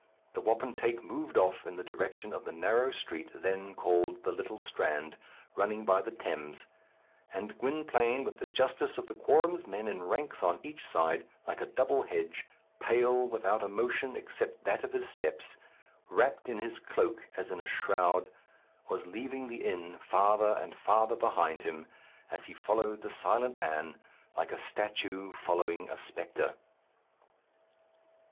The wapentake moved off in the direction of the narrow street then called the Little Strand, running by the Thames; and Gwynplaine, with the justice of the quorum's men in ranks on each side, like a double hedge, pale, without a motion except that of his steps, wrapped in his cloak as in a shroud, was leaving the inn farther and farther behind him as he followed the silent man, like a statue following a spectre.